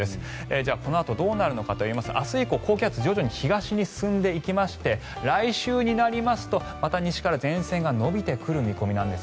じゃあこのあとどうなるのかといいますと明日以降、高気圧は徐々に東に進んでいきまして来週になりますとまた西から前線が延びてくる見込みなんです。